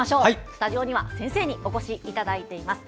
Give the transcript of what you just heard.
スタジオには先生にお越しいただいています。